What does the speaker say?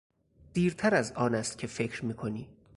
دیرتر از آن است که فکر میکنی!